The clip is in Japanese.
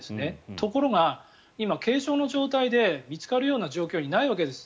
ところが今、軽症の状態で見つかるような状態にないわけです。